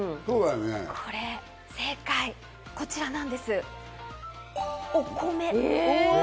これ、正解はこちらなんです。